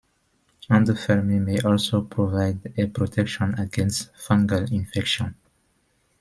Endothermy may also provide a protection against fungal infection.